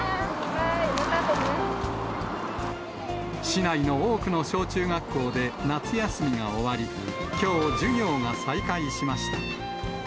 市内の多くの小中学校で夏休みが終わり、きょう、授業が再開しました。